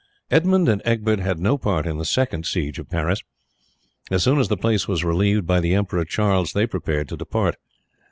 Edmund and Egbert had no part in the second siege of Paris. As soon as the place was relieved by the Emperor Charles they prepared to depart.